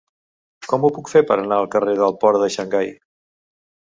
Com ho puc fer per anar al carrer del Port de Xangai?